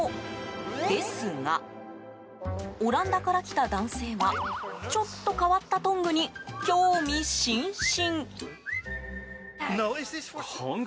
ですがオランダから来た男性はちょっと変わったトングに興味津々。